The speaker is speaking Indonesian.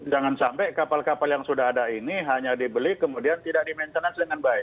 jangan sampai kapal kapal yang sudah ada ini hanya dibeli kemudian tidak di maintenance dengan baik